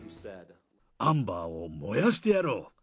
アンバーを燃やしてやろう。